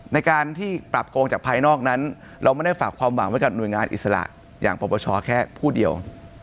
ในการที่ปรับโกงจากภายนอกนั้นเราไม่ได้ฝากความหวังไว้กับหน่วยงานอิสระอย่างปรปชแค่ผู้เดียว